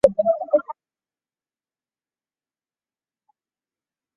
冈维尔与凯斯学院是剑桥大学最传统的学院之一。